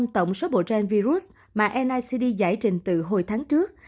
bảy mươi bốn tổng số bộ gen virus mà nicd giải trình từ hồi tháng trước